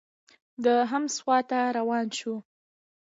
د حمص خوا ته روان شو.